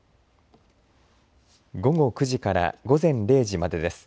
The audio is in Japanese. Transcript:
午後９時から午前０時までです。